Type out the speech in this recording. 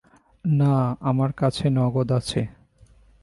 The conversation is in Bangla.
না, আমার কাছে নগদ আছে।